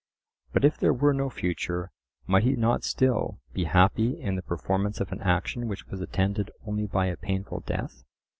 But if there were no future, might he not still be happy in the performance of an action which was attended only by a painful death?